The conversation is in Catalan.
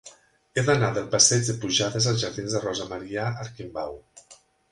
He d'anar del passeig de Pujades als jardins de Rosa Maria Arquimbau.